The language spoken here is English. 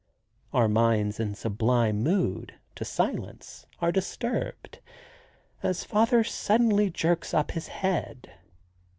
Our minds in sublime mood, to silence, are disturbed, as father suddenly jerks up his head.